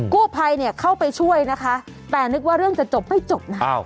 กู้ภัยเนี่ยเข้าไปช่วยนะคะแต่นึกว่าเรื่องจะจบไม่จบนะ